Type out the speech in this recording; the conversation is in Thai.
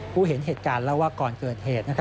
ผู้เห็นเหตุการณ์เล่าว่าก่อนเกิดเหตุ